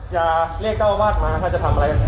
อย่าเรียกเก้าบ้านมาจะทำอะไร